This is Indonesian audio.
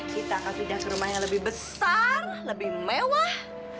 kita akan pindah ke rumah yang lebih besar lebih mewah